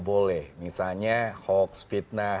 boleh misalnya hoaks fitnah